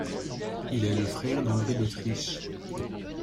Il est le frère d’André d'Autriche.